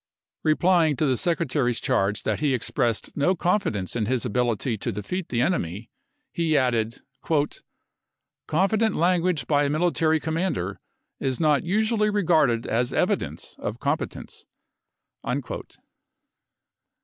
Reply ing to the Secretary's charge that he expressed no confidence in his ability to defeat the enemy, he *J§SSSve added, "Confident language by a military com of6perSry mander is not usually regarded as evidence of com p?3&.' petence."